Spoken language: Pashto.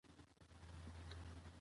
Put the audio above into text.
ـ په سور سوى، ساړه پو کوي.